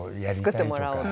作ってもらおうと。